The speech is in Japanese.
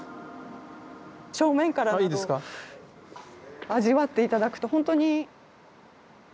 正面から味わって頂くとほんとに。